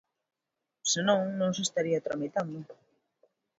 "Senón, non se estaría tramitando".